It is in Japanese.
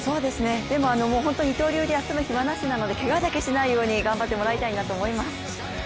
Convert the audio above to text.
でも本当に二刀流で休む暇なしなのでけがだけしないように頑張ってもらいたいなと思います。